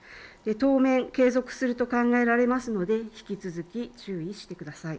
当面継続すると考えられますので引き続き注意してください。